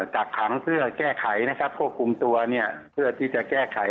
กักขังเพื่อแก้ไขนะครับควบคุมตัวเนี่ยเพื่อที่จะแก้ไข